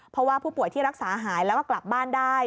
เพราะว่าผู้ป่วยที่รักษาหายแล้วก็กลับบ้านได้